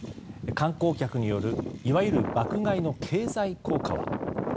観光客によるいわゆる爆買いの経済効果は？